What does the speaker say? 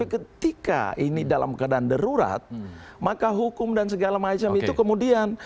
ketika ini dalam keadaan darurat maka hukum dan segala macam itu kemudian